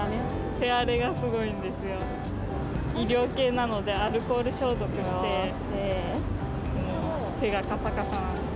手荒れがすごいんですよ、医療系なので、アルコール消毒して、もう手がかさかさなんです。